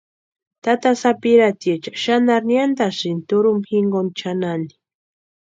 Tata sapirhatiecha xanharu niantasïnti turhumpa jinkoni chʼanani.